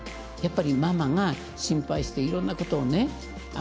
やっぱりママが心配していろんなことをね